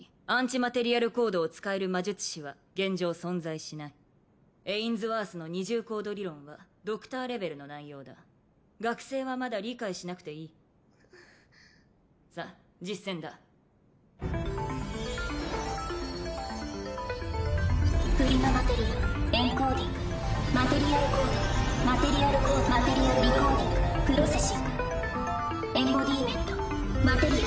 マテリアルコードを使える魔術師は現状存在しないエインズワースの二重コード理論はドクターレベルの内容だ学生はまだ理解しなくていいさっ実践だプリママテリアエンコーディングマテリアルコードマテリアルコードディコーディングマテリアルコードプロセシングエンボディメントマテリアル